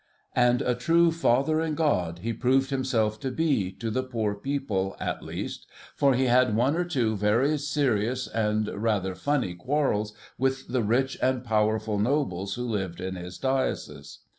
And a true 'Father in God' he proved himself to be, to the poor people, at least, for he had one or two very serious and rather funny quarrels with the rich and powerful nobles who lived in his Diocese.